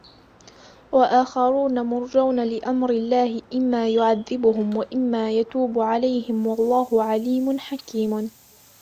وَآخَرُونَ مُرْجَوْنَ لِأَمْرِ اللَّهِ إِمَّا يُعَذِّبُهُمْ وَإِمَّا يَتُوبُ عَلَيْهِمْ وَاللَّهُ عَلِيمٌ حَكِيمٌ